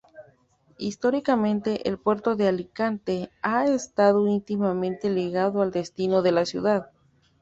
Históricamente, el Puerto de Alicante ha estado íntimamente ligado al destino de la ciudad.